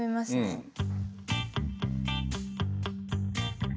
うん。